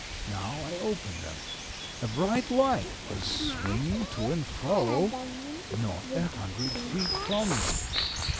Now I opened them. A bright light was swinging to and fro not a hundred feet from me.